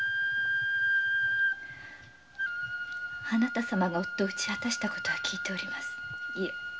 あなた様が夫を討ち果たしたことは聞いております。